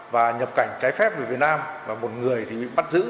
và nhập cảnh trái phép về việt nam và một người thì bị bắt giữ